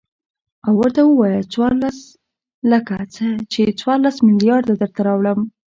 او ورته ووايه څورلس لکه څه ،چې څورلس ملېارده درته راوړم.